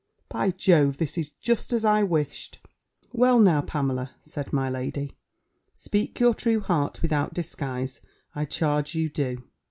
By Jove, this is just as I wished!" "Well, now, Pamela," said my lady, "speak your true heart without disguise: I charge you do."